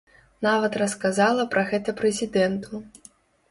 Нават расказала пра гэта прэзідэнту.